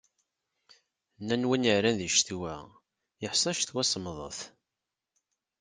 Nnan win yeεran di ccetwa, yeḥṣa ccetwa semmḍet.